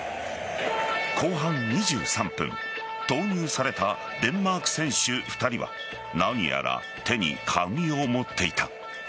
後半２３分投入されたデンマーク選手２人は何やら、手に紙を持っていた。